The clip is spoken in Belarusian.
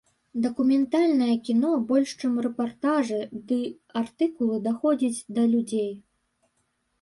Дакументальнае кіно больш чым рэпартажы ды артыкулы даходзіць да людзей.